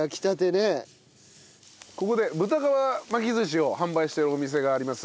ここで豚かば巻き寿司を販売してるお店があります